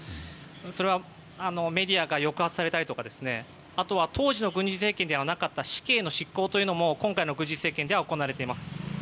それはメディアが抑圧されたりとかあとは当時の軍事政権にはなかった死刑の執行も今回の軍事政権では行われています。